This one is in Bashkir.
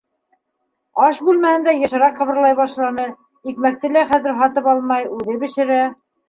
Аш бүлмәһендә йышыраҡ ҡыбырлай башланы, икмәкте лә хәҙер һатып алмай, үҙе бешерә.